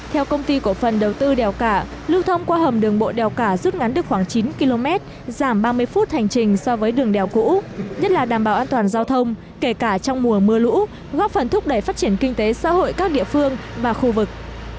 theo công ty cổ phần đầu tư đèo cả lưu thông qua hầm đường bộ đèo cả rút ngắn được khoảng chín km giảm ba mươi phút hành trình so với đường đèo cũ nhất là đảm bảo an toàn giao thông kể cả trong mùa mưa lũ góp phần thúc đẩy phát triển kinh tế xã hội các địa phương và khu vực